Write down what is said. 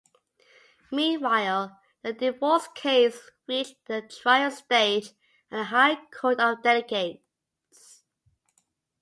Meanwhile, the divorce case reached the trial stage at the High Court of Delegates.